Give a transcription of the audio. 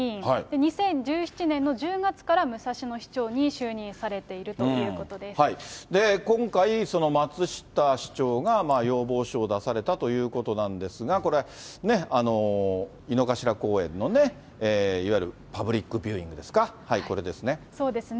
２０１７年の１０月から武蔵野市長に就任されているということで今回、松下市長が要望書を出されたということなんですが、これね、井の頭公園のいわゆるパブリックビューイングですか、これですね。